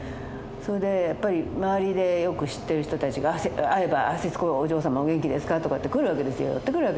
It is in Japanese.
それでやっぱり周りでよく知ってる人たちが会えば「摂子お嬢様お元気ですか」とかって寄ってくるわけですよ。